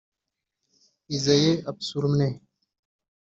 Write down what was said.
Isaiah Osbourne